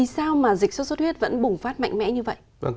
sao mà dịch sốt xuất huyết vẫn bùng phát mạnh mẽ như vậy